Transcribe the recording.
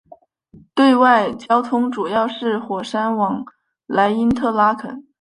对外交通主要是火车往来因特拉肯。